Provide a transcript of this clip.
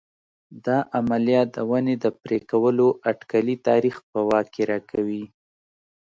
دا عملیه د ونې د پرې کولو اټکلي تاریخ په واک کې راکوي